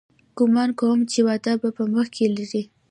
ګومان کوم چې واده په مخ کښې لري.